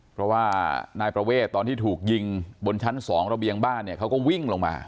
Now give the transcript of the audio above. เพราะว่านายประเวทตอนที่ถูกยิงบนชั้น๒ระเบียงบ้านเนี่ยเขาก็วิ่งลงมา